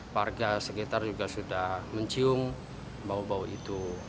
warga sekitar juga sudah mencium bau bau itu